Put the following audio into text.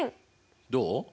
どう？